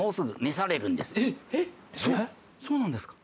そそうなんですか？